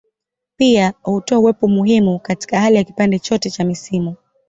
Pia hutoa uwepo muhimu katika hali ya kipande chote cha misimu.